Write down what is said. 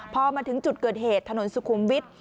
พอมาถึงจุดเกิดเหตุถนนสุขุมวิทย์